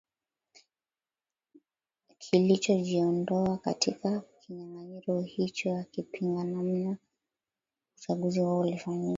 nld kilicho jiodoa katika kinyanganyiro hicho ya kipinga namna uchaguzi huo iliofanyika